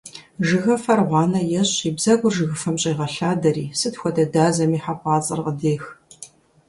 Жыгыфэр гъуанэ ещӀ, и бзэгур жыгыфэм щӀегъэлъадэри сыт хуэдэ дазэми хьэпӀацӀэр къыдех.